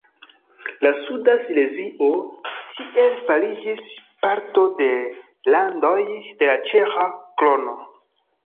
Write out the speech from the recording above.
La suda Silezio tiel fariĝis parto de landoj de la ĉeĥa krono.